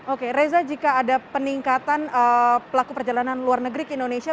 oke reza jika ada peningkatan pelaku perjalanan luar negeri ke indonesia